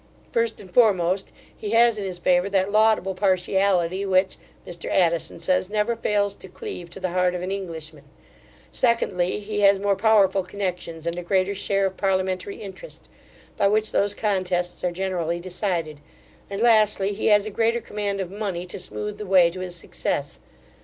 First and foremost, he has in his favour that laudable partiality, which, Mr Addison says, never fails to cleave to the heart of an Englishman; secondly, he has more powerful connexions, and a greater share of parliamentary interest, by which those contests are generally decided; and lastly, he has a greater command of money to smooth the way to his success.